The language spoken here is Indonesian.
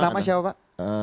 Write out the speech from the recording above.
nama siapa pak